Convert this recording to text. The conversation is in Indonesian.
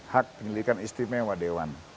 hak penyelidikan istimewa dewan